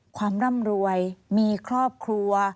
ความร่ำรวยมีครอบครัว